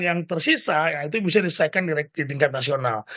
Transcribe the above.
yang tersisa itu bisa diselesaikan di tingkat nasional